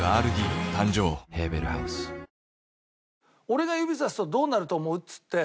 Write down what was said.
俺が指さすとどうなると思う？っつって。